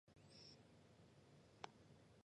同年赴马尼拉参加菲律宾群岛医学会会议。